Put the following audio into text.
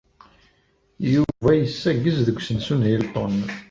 Yuba yessaggez deg usensu n Hilton.